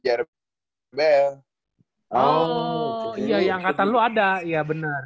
oh iya ya angkatan lu ada bener